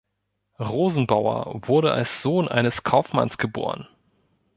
Rosenbauer wurde als Sohn eines Kaufmanns geboren.